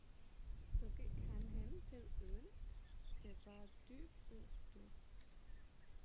Så gik han hen til åen, der var dyb og stor.